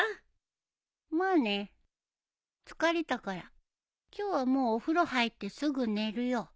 疲れたから今日はもうお風呂入ってすぐ寝るよ。